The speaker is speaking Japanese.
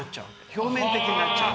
表面的になっちゃう。